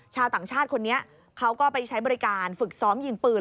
ชาวต่างชาติคนนี้เขาก็ไปใช้บริการฝึกซ้อมยิงปืน